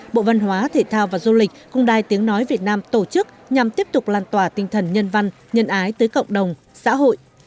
bộ văn hóa thể thao và du lịch công đai tiếng nói việt nam tổ chức nhằm tiếp tục lan tỏa tinh thần nhân văn nhân ái tới cộng đồng xã hội